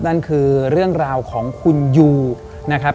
นั่นคือเรื่องราวของคุณยูนะครับ